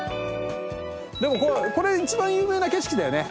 これ一番有名な景色だよね。